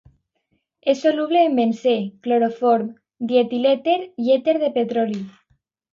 És soluble en benzè, cloroform, dietilèter i èter de petroli.